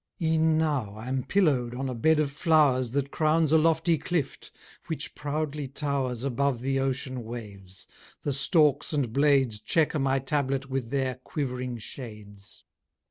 E'en now I'm pillow'd on a bed of flowers That crowns a lofty clift, which proudly towers Above the ocean waves. The stalks, and blades, Chequer my tablet with their, quivering shades.